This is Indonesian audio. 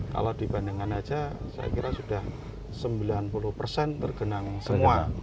kalau dibandingkan saja saya kira sudah sembilan puluh persen tergenang semua